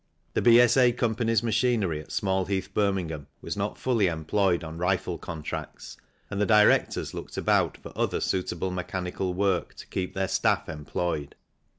The B.S.A. Co.'s machinery at Small Heath, Birmingham, was not fully employed on rifle contracts, and the directors looked about for other suitable mechanical work to keep their staff employed.